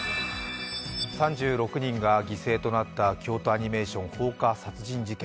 ３６人が犠牲となった京都アニメーション放火殺人事件。